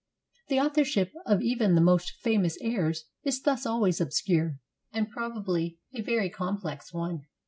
The authorship of even the most famous airs is thus always obscure, and probably a very complex one.